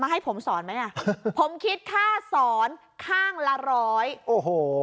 ให้ผมสอนไหมอ่ะผมคิดค่าสอนข้างละร้อยโอ้โห